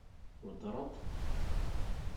Weddṛent-t?